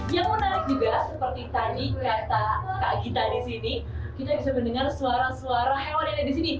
yang menarik juga seperti tadi kata kak gita di sini kita bisa mendengar suara suara hewan yang ada di sini